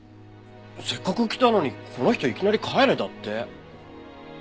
せっかく来たのにこの人いきなり帰れだって。